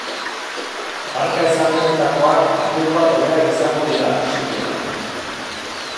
Marka ezagunetakoak apur bat hobeak izango dira, sikeran.